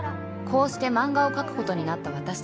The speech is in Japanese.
こうして漫画を描く事になった私たち